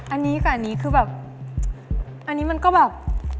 อันนี้กับอันนี้คือแบบอันนี้มันก็แบบ